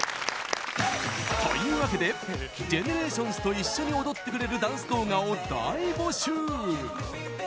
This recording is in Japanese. というわけでＧＥＮＥＲＡＴＩＯＮＳと一緒に踊ってくれるダンス動画を大募集！